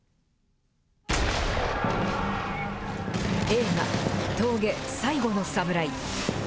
映画、峠最後のサムライ。